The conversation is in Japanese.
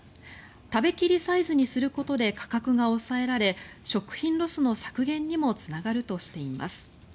食べ切りサイズにすることで価格が抑えられ食品ロスの削減にもつながるとしています。